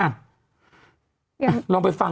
ลองไปฟัง